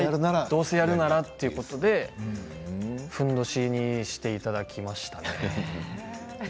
どうせやるならということでふんどしにしていただきました。